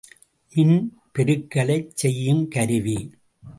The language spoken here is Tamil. மின் பெருக்கலைச் செய்யும் கருவி.